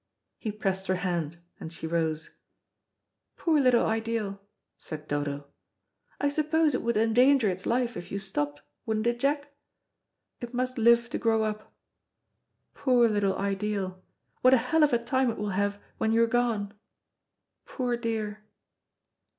He pressed her hand and she rose.. "Poor little ideal," said Dodo. "I suppose it would endanger its life if you stopped, wouldn't it, Jack? It must live to grow up. Poor little ideal, what a hell of a time it will have when you're gone. Poor dear."